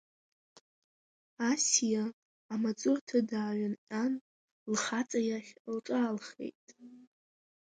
Асиа, амаҵурҭа дааҩынҟьан, лхаҵа иахь лҿаалхеит…